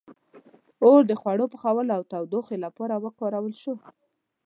• اور د خوړو پخولو او تودوخې لپاره وکارول شو.